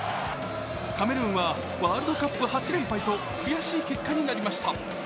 カメルーンはワールドカップ８連敗と悔しい結果になりました。